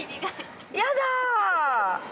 やだ！